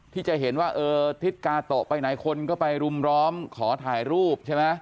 ที่ทิตย์การ์โตไปไหนคนก็ไปลุมล้อมขอถ่ายรูปใช่ไหม